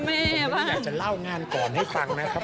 อยากจะเล่างานก่อนให้ฟังนะครับ